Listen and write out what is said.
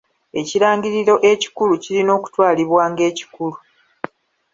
Ekirangiriro ekikulu kirina okutwalibwa ng'ekikulu.